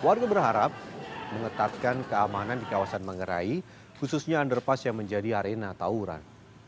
warga berharap mengetatkan keamanan di kawasan mangerai khususnya underpass yang menjadi arena tawuran